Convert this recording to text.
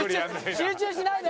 集中しないで！